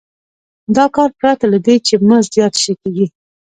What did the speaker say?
دا کار پرته له دې چې مزد زیات شي کېږي